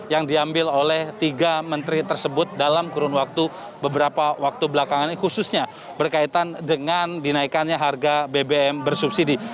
yang diambil oleh tiga menteri tersebut dalam kurun waktu beberapa waktu belakangan ini khususnya berkaitan dengan dinaikannya harga bbm bersubsidi